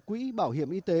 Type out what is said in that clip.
quỹ bảo hiểm y tế